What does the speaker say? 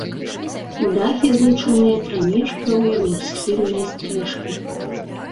Дахі злучаныя прамежкавай двухсхільнай стрэшкай.